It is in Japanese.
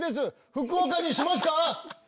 福岡にしますか？